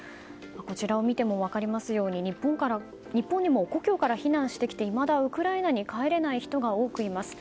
こちらを見ても分かりますように日本にも故郷から避難してきていまだにウクライナに帰れない人が多くいます。